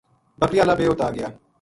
بکریاں ہالا بے اُت آگیا۔